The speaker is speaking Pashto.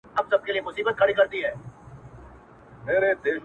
او پای يې خلاص پاتې کيږي تل-